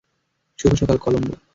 শুভ সকাল, কলোম্বো।